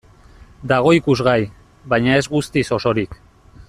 Dago ikusgai, baina ez guztiz osorik.